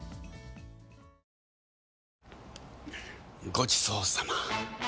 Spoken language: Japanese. ごちそうさま！